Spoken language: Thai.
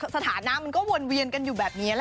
สถานะมันก็วนเวียนกันอยู่แบบนี้แหละ